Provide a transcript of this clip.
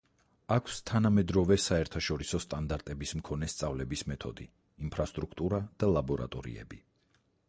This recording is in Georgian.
აქვს თანამედროვე საერთაშორისო სტანდარტების მქონე სწავლების მეთოდი, ინფრასტრუქტურა და ლაბორატორიები.